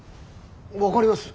分かります。